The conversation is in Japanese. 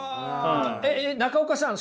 中岡さん